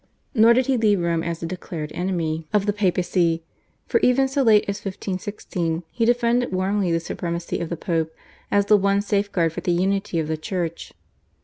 Nor did he leave Rome as a declared enemy of the Papacy, for even so late as 1516 he defended warmly the supremacy of the Pope as the one safeguard for the unity of the Church.